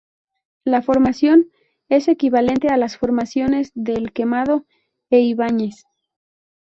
La formación es equivalente a las formaciones de El Quemado e Ibáñez.